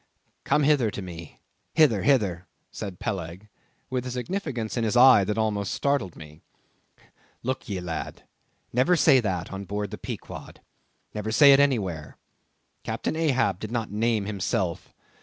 "Come hither to me—hither, hither," said Peleg, with a significance in his eye that almost startled me. "Look ye, lad; never say that on board the Pequod. Never say it anywhere. Captain Ahab did not name himself.